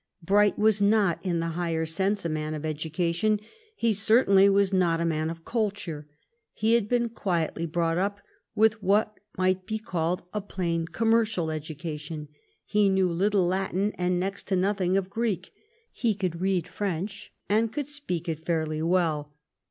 Bright was not, in the higher sense, a man of education — he cer tainly was not a man of culture. He had been quietly brought up, with what might be called a plain commercial education. He knew little of Latin, and next to nothing of Greek. He could read French, and could speak it fairly well.